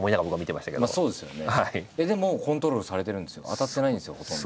当たってないんですよほとんど。